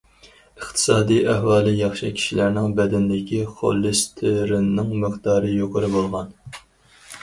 ئىقتىسادىي ئەھۋالى ياخشى كىشىلەرنىڭ بەدىنىدىكى خولېستېرىننىڭ مىقدارى يۇقىرى بولغان.